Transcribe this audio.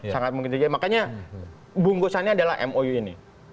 sangat mungkin tiga makanya bungkusannya adalah mou ini